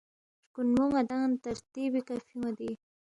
ہرکُونمو ن٘دانگ ترتیبی کھہ فیُون٘یدی